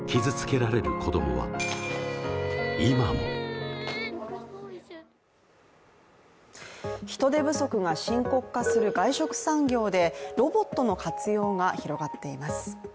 三井不動産人手不足が深刻化する外食産業でロボットの活用が広がっています。